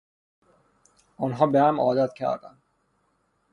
آنها به هم عادت کردند.